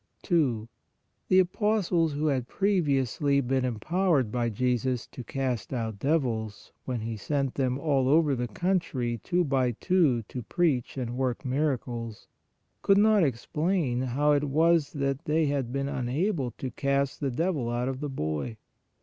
2. The apostles, who had previously been em RESURRECTION OF LAZARUS 103 powered by Jesus to cast out devils, when He sent them all over the country two by two to preach and work miracles, could not explain how it was that they had been unable to cast the devil out of the boy.